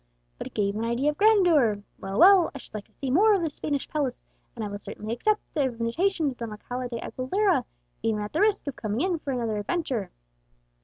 But it gave an idea of grandeur. Well, well, I should like to see more of this Spanish palace, and I will certainly accept the invitation of Don Alcala de Aguilera, even at the risk of coming in for another adventure."